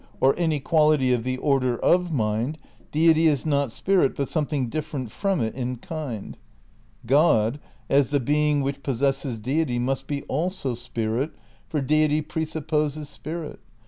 or any quality of the order of mind, deity is not spirit, but something different from it in kind. God, as the being which possesses deity must be also spirit, for ... deity presupposes spirit. ...